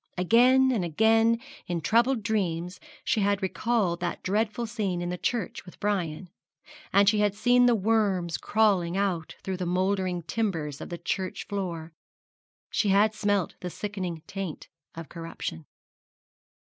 Again and again in troubled dreams she had recalled that dreadful scene in the church with Brian; and she had seen the worms crawling out through the mouldering timbers of the church floor she had smelt the sickening taint of corruption.